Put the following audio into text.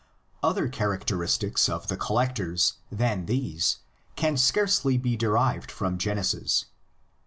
Other characteristics of the collectors than these can scarcely be derived from Genesis.